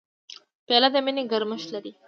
پیاله د مینې ګرمښت لري.